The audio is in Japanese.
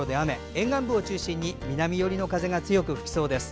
沿岸部を中心に南寄りの風が強く吹きそうです。